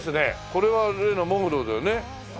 これは例の喪黒だよね。